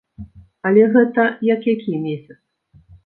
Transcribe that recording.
Але гэта як які месяц.